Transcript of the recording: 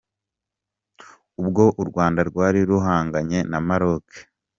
Ubwo u Rwanda rwari ruhanganye na Maroc.